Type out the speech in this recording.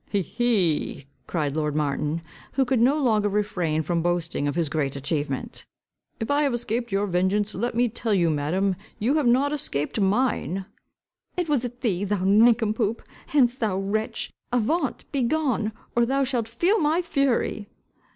"He! he!" cried lord Martin, who could no longer refrain from boasting of his great atchievement. If I have escaped your vengeance, let me tell you, madam, you have not escaped "mine." "And was it thee, thou nincompoop? Hence, thou wretch! Avaunt! Begone, or thou shalt feel my fury!"